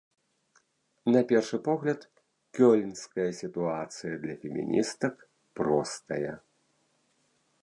На першы погляд, кёльнская сітуацыя для феміністак простая.